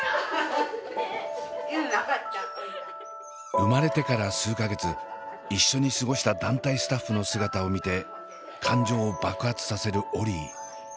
生まれてから数か月一緒に過ごした団体スタッフの姿を見て感情を爆発させるオリィ。